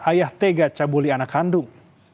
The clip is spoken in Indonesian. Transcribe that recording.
ayah tega cabuli anak kandung